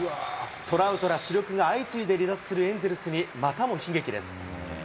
トラウトら主力が相次いで離脱するエンゼルスにまたも悲劇です。